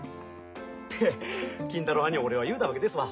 で金太郎はんに俺は言うたわけですわ。